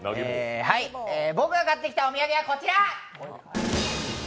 僕が買ってきたお土産はこちら！